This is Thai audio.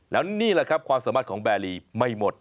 แล้วนี่แหละครับความสามารถของแบรีไม่หมด